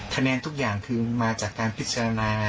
คะแนนทุกอย่างคือมาจากการพิจารณามา